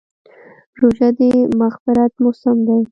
روژه د مغفرت موسم دی.